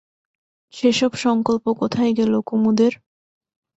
সেসব সংকল্প কোথায় গেল কুমুদের?